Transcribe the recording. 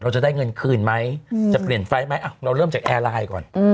เราจะได้เงินคืนไหมจะเปลี่ยนไฟล์ไหมเราเริ่มจากแอร์ไลน์ก่อน